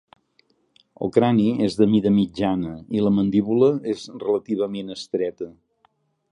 El crani és de mida mitjana i la mandíbula és relativament estreta.